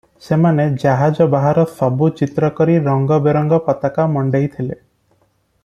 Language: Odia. ସେମାନେ ଜାହାଜ ବାହାର ସବୁ ଚିତ୍ର କରି ରଙ୍ଗ ବେରଙ୍ଗ ପତାକା ମଣ୍ଡେଇଥିଲେ ।